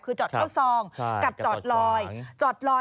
คือจอดเข้าซองกับจอดลอย